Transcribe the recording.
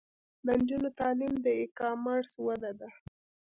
د نجونو تعلیم د ای کامرس وده ده.